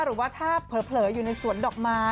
หรือว่าถ้าเผลออยู่ในสวนดอกไม้